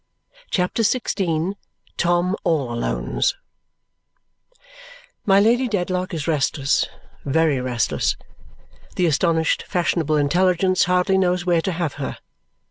CHAPTER XVI Tom all Alone's My Lady Dedlock is restless, very restless. The astonished fashionable intelligence hardly knows where to have her.